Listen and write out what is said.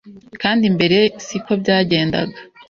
kandi mbere siko byagendaga